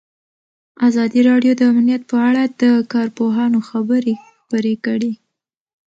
ازادي راډیو د امنیت په اړه د کارپوهانو خبرې خپرې کړي.